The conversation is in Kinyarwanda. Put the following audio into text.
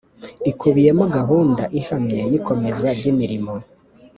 ikubiyemo gahunda ihamye y ikomeza ry imirimo